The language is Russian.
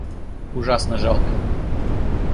Ужасно жалкое!